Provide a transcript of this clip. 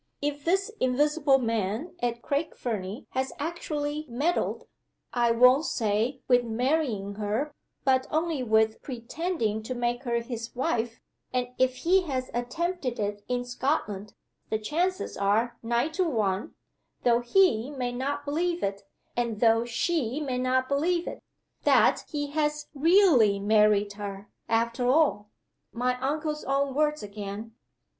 If this invisible man at Craig Fernie has actually meddled, I won't say with marrying her, but only with pretending to make her his wife, and if he has attempted it in Scotland, the chances are nine to one (though he may not believe it, and though she may not believe it) that he has really married her, after all.' My uncle's own words again!